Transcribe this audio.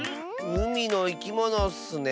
うみのいきものッスね。